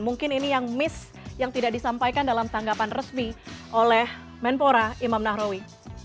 mungkin ini yang miss yang tidak disampaikan dalam tanggapan resmi oleh menpora imam nahrawi